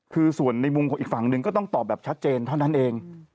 คือส่วนในมุมของอีกฝั่งหนึ่งก็ต้องตอบแบบชัดเจนเท่านั้นเอง